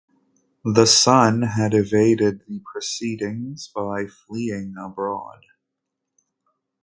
The son had evaded the proceedings by fleeing abroad.